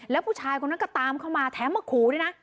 แล้วผู้ชายคนนั้นก็ตามเข้ามาแถมมาขู่ด้วยนะ